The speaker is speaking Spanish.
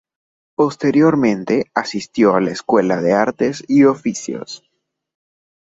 Posteriormente, asistió a la Escuela de Artes y Oficios.